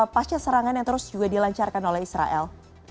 pasca serangan yang terus juga dilancarkan oleh israel